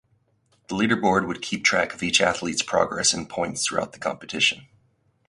The Leaderboard would keep track of each athletes progress in points throughout the competition.